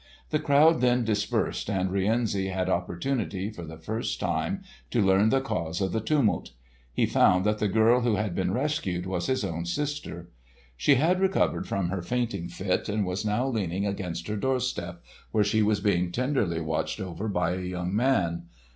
The crowd then dispersed, and Rienzi had opportunity, for the first time, to learn the cause of the tumult. He found that the girl who had been rescued was his own sister. She had recovered from her fainting fit and was now leaning against her doorstep, where she was being tenderly watched over by a young man.